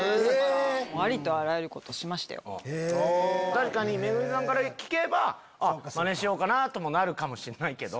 確かにＭＥＧＵＭＩさんから聞けばマネしようかなぁともなるかもしれないけど。